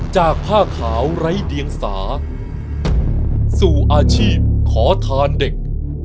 ผ้าขาวไร้เดียงสาสู่อาชีพขอทานเด็ก